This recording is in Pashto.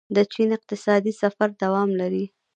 د چین اقتصادي سفر دوام لري.